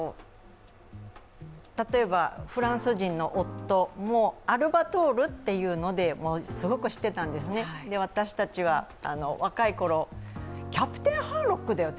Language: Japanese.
例えばフランス人の夫も、アルバトールというのですごく知っていたんですね、私たちは若いころ、キャプテンハーロックだよって。